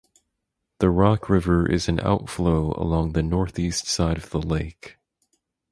The Rock River is an out flow along the northeast side of the lake.